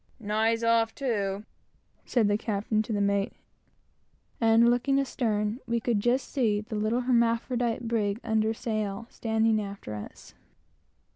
"Nye's off too," said the captain to the mate; and looking astern, we could just see the little hermaphrodite brig under sail standing after us.